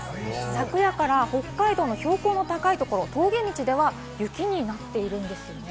昨夜から北海道の標高の高いところ、峠道では雪になっているんですよね。